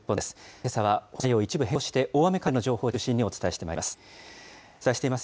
けさは放送内容を一部変更して、大雨関連の情報を中心にお伝えしてまいります。